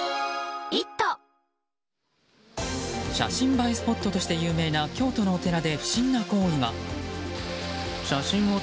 写真映えスポットとして有名な京都のお寺で不審な行為が。